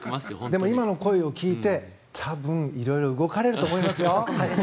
でも今の声を聞いて多分色々動かれると思いますよ。